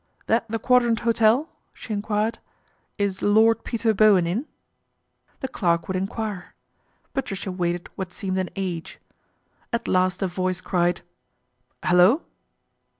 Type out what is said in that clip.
" That the Quadrant Hotel ?" she enquired. ' Is Lord Peter Bowen in ?" The clerk would enquire. Patricia waited what seemed an age. At last a voice cried, " Hullo